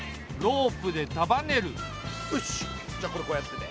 じゃあこれこうやってて。